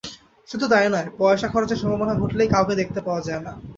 শুধু তাই নয়, পয়সা খরচের সম্ভাবনা ঘটলেই কাউকে দেখতে পাওয়া যায় না।